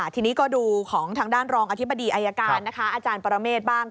ทีนี้ก็ดูของทางด้านรองอธิบดีอายการนะคะอาจารย์ปรเมฆบ้าง